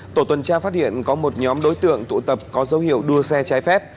tổ tuần tra phát hiện có một nhóm đối tượng tụ tập có dấu hiệu đua xe trái phép